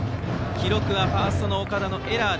記録はファーストの岡田のエラー。